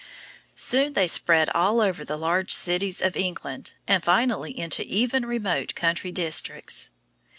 Soon they spread all over the large cities of England and finally into even remote country districts.